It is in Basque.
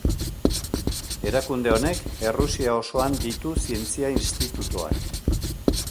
Erakunde honek, Errusia osoan ditu zientzia institutuak.